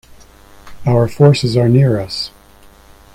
Our forces are near us.